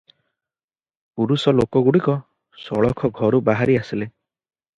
ପୁରୁଷ ଲୋକଗୁଡ଼ିକ ସଳଖ ଘରୁ ବାହାରି ଆସିଲେ ।